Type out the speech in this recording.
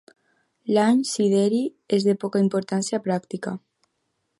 L'any sideri és de poca importància pràctica.